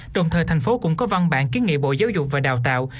đồng thời thành phố cũng có văn bản kiến nghị bộ giáo dục và đào tạo